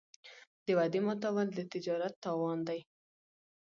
د وعدې ماتول د تجارت تاوان دی.